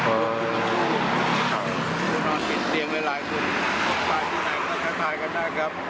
เอ่อตัวนอนปิดเตียงหลายหลายส่วนตายที่ไหนก็จะตายกันได้ครับ